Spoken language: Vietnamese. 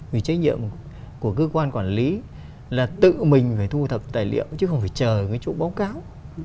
vì trách nhiệm của cơ quan quản lý là tự mình phải thu thập tài liệu chứ không phải chờ cái chỗ báo cáo